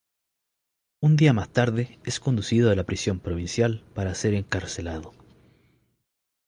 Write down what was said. Un día más tarde es conducido a la prisión provincial para ser encarcelado.